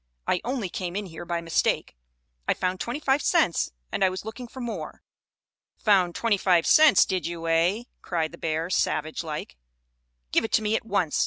"I only came in here by mistake. I found twenty five cents, and I was looking for more." "Found twenty five cents, did you, eh?" cried the bear, savage like. "Give it to me at once!